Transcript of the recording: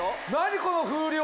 この風量！